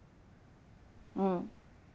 うん。